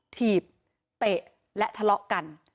ถีบเตะและทะเลาะกัน